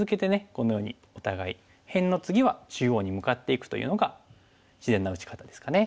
このようにお互い辺の次は中央に向かっていくというのが自然な打ち方ですかね。